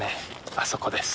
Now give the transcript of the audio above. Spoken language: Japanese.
あそこです。